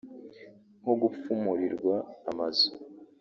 nko gupfumurirwa amazu